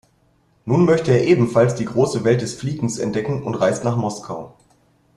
Nun möchte er ebenfalls die große Welt des Fliegens entdecken und reist nach Moskau.